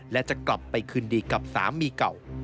และจะกลับไปคืนดีกับสามีเก่า